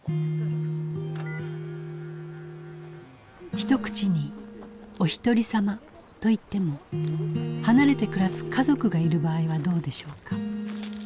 ひと口におひとりさまといっても離れて暮らす家族がいる場合はどうでしょうか？